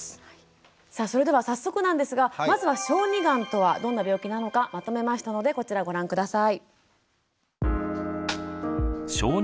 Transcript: さあそれでは早速なんですがまずは小児がんとはどんな病気なのかまとめましたのでこちらご覧下さい。